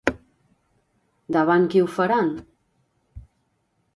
Davant qui ho faran?